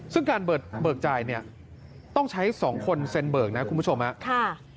ซึ่งการเบิกใจเนี่ยต้องใช้สองคนเซ็นเบิกนะคุณผู้ชมฮะค่ะ